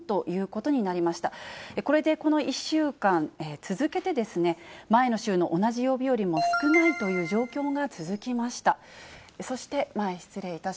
これでこの１週間続けて、前の週の同じ曜日よりも少ないという状況が続きました。